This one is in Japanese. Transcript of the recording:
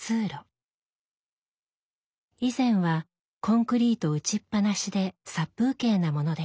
以前はコンクリート打ちっ放しで殺風景なものでした。